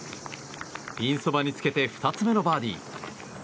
ピンそばにつけて２つ目のバーディー。